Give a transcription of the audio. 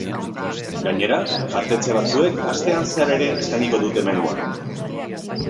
Gainera, jatetxe batzuek astean zehar ere eskainiko dute menua.